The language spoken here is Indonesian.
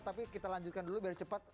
tapi kita lanjutkan dulu biar cepat